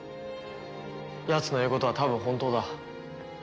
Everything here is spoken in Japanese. やつの言うことは多分本当だ。